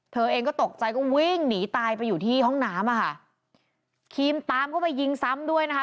เธอเองก็ตกใจก็วิ่งหนีตายไปอยู่ที่ห้องน้ำอ่ะค่ะครีมตามเข้าไปยิงซ้ำด้วยนะคะ